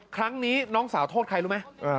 ครั้งนี้น้องสาวโทษใครรู้ไหม